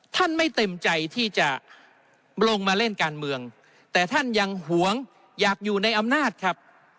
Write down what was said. ไม่เต็มใจที่จะลงมาเล่นการเมืองแต่ท่านยังหวงอยากอยู่ในอำนาจครับ